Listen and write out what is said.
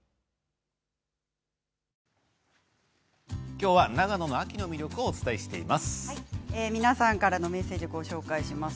今日は長野の秋の魅力をお伝えしています。